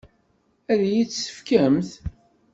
Ad iyi-tt-tefkemt?